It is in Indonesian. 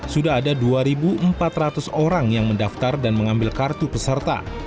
sudah ada dua empat ratus orang yang mendaftar dan mengambil kartu peserta